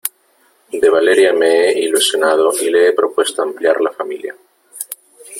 de Valeria me he ilusionado y le he propuesto ampliar la familia ,